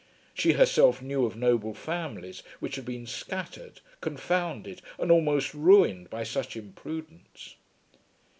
She herself knew of noble families which had been scattered, confounded, and almost ruined by such imprudence.